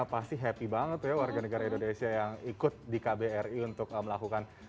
pasti happy banget ya warga negara indonesia yang ikut di kbri untuk melakukan